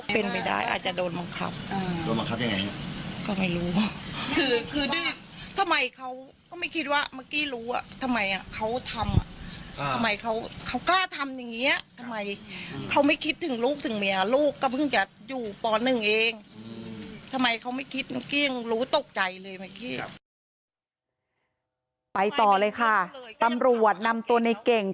ไปต่อเลยค่ะตำรวจนำตัวในเก่ง